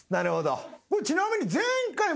ちなみに。